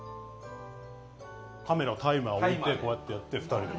カメラをタイマーを置いてこうやってやって２人で。